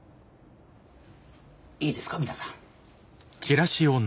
いいですか皆さん。